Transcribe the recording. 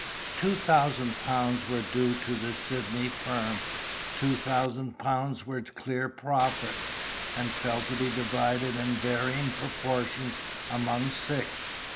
Two thousand pounds were due to the Sydney firm: two thousand pounds were clear profit, and fell to be divided in varying proportions among six.